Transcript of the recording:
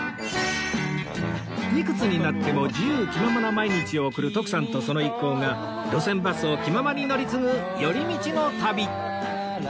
いくつになっても自由気ままな毎日を送る徳さんとその一行が路線バスを気ままに乗り継ぐ寄り道の旅